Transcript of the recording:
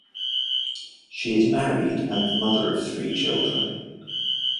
She is married and the mother of three children.